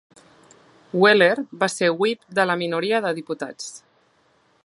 Weller va ser whip de la minoria de diputats.